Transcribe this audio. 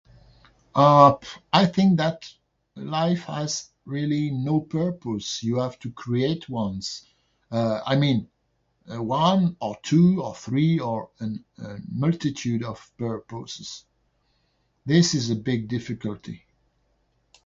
Uh, I think that life has really no purpose. You have to create ones, uh, I mean one, or two, or three, or multitude of purposes. This is a big difficult thing.